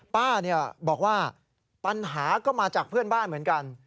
ป้าบอกว่าปัญหาก็มาจากเพื่อนบ้านเหมือนกัน